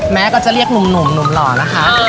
แม้ก็จะเรียกหนุ่มหล่อนะคะ